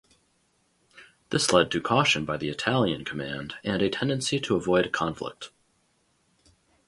This led to caution by the Italian command and a tendency to avoid conflict.